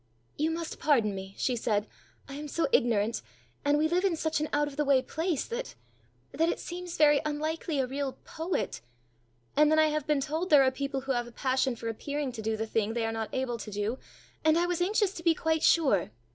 "You must pardon me!" she said: "I am so ignorant! And we live in such an out of the way place that that it seems very unlikely a real poet ! And then I have been told there are people who have a passion for appearing to do the thing they are not able to do, and I was anxious to be quite sure!